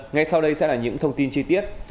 ngay sau đây sẽ là những thông tin chi tiết